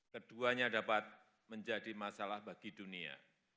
keduanya dapat menjadi masalah bagi dunia